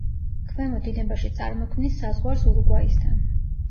ქვემო დინებაში წარმოქმნის საზღვარს ურუგვაისთან.